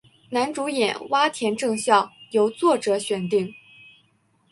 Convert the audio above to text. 男主演洼田正孝由作者选定。